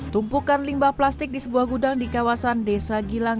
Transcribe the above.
tumpukan limbah plastik di sebuah gudang di kawasan desa gilang